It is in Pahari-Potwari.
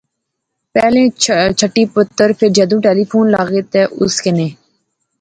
پہلے چٹھی پتر، فیر جدوں ٹیلیفون لاغے تے اس کنے